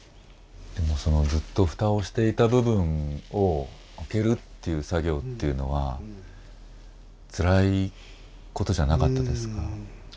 でもずっと蓋をしていた部分を開けるっていう作業っていうのはつらいことじゃなかったですか？